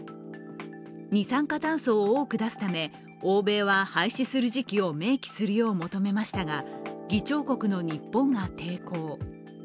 二酸化炭素を多く出すため欧米は廃止する時期を明記するよう求めましたが議長国の日本が抵抗。